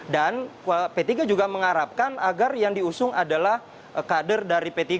dan p tiga juga mengharapkan agar yang diusung adalah kader dari p tiga